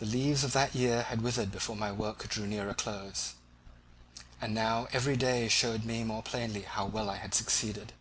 The leaves of that year had withered before my work drew near to a close, and now every day showed me more plainly how well I had succeeded.